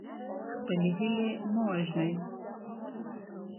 خپلې هیلې مه وژنئ.